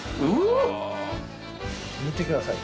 見てください